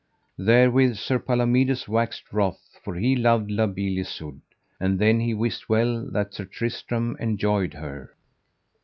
Therewith Sir Palomides waxed wroth, for he loved La Beale Isoud. And then he wist well that Sir Tristram enjoyed her.